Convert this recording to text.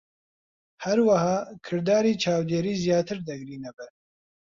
هەروەها، کرداری چاودێری زیاتر دەگرینە بەر.